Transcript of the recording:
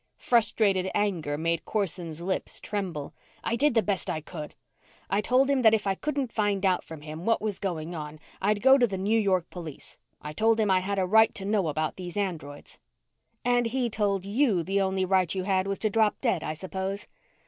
Frustrated anger made Corson's lips tremble. "I did the best I could! I told him that if I couldn't find out from him what was going on, I'd go to the New York police. I told him I had a right to know about these androids." "And he told you the only right you had was to drop dead, I suppose."